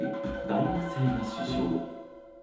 大学生が死傷。